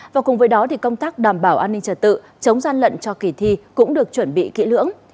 và cùng với đó công tác đảm bảo an ninh trật tự chống gian lận cho kỳ thi cũng được chuẩn bị kỹ lưỡng